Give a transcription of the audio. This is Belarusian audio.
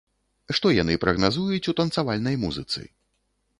Што яны прагназуюць у танцавальнай музыцы?